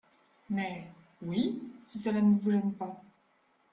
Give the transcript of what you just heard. Mais, oui, si cela ne vous gêne pas.